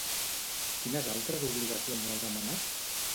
Quines altres obligacions els ha manat?